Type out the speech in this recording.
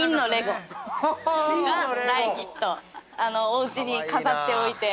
おうちに飾っておいて。